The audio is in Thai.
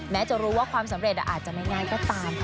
จะรู้ว่าความสำเร็จอาจจะไม่ง่ายก็ตามค่ะ